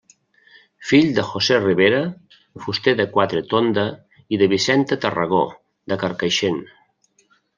Fill de José Ribera, fuster de Quatretonda, i de Vicenta Tarragó, de Carcaixent.